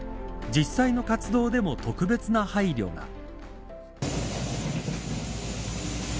実際の活動でも特別な配慮が。